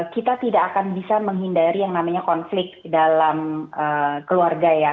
kita tidak akan bisa menghindari yang namanya konflik dalam keluarga ya